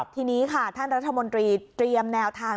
ท่านรัฐมนตรีเตรียมแนวทาง